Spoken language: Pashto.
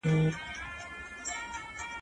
پر دې ښار باندي ماتم دی ساندي اوري له اسمانه `